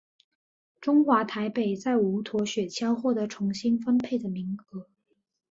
中华台北在无舵雪橇获得重新分配的名额。